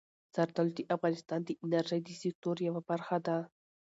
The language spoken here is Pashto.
زردالو د افغانستان د انرژۍ د سکتور یوه برخه ده.